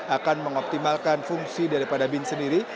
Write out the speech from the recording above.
akan mengoptimalkan fungsi daripada bin sendiri